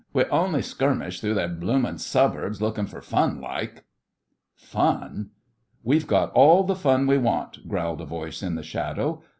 We only skirmished through their bloomin' Suburbs lookin' for fun like.' 'Fun! We've got all the fun we want!' growled a voice in the shadow.